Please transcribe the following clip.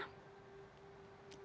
ya yang berikutnya ini dia